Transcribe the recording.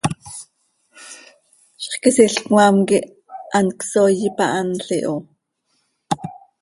Zixquisiil cmaam quih hant csooi ipahanl iho.